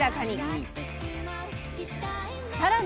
さらに！